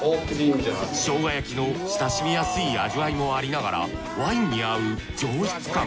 生姜焼きの親しみやすい味わいもありながらワインに合う上質感。